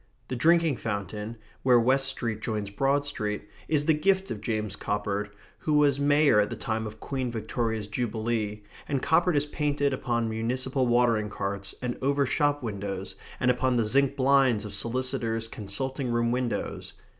The drinking fountain, where West Street joins Broad Street, is the gift of James Coppard, who was mayor at the time of Queen Victoria's jubilee, and Coppard is painted upon municipal watering carts and over shop windows, and upon the zinc blinds of solicitors' consulting room windows.